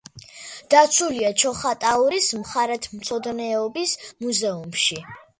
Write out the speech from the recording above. დაცულია ჩოხატაურის მხარეთმცოდნეობის მუზეუმში.